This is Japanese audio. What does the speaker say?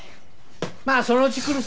まあそのうち来るさ！